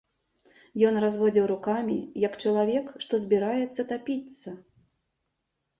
Ён разводзіў рукамі, як чалавек, што збіраецца тапіцца.